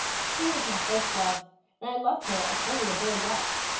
She was my first love, and I loved her as only a boy loves.